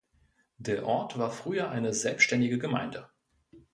Der Ort war früher eine selbstständige Gemeinde.